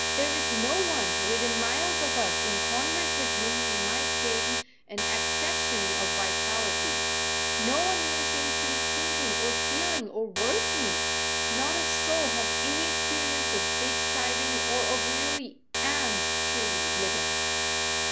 There is no one, within miles of us, in converse with whom we might gain an accession of vitality. No one near seems to be thinking, or feeling, or working. Not a soul has any experience of big striving, or of really and truly living.